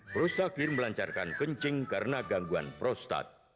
prostakir melancarkan kencing karena gangguan prostat